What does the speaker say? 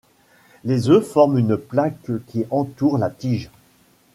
Les œufs forment une plaque qui entoure la tige.